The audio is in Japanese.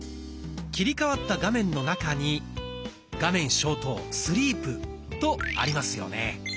切り替わった画面の中に「画面消灯」とありますよね。